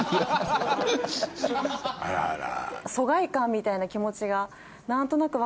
あらあら。